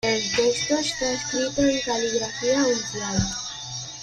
El texto está escrito en caligrafía uncial.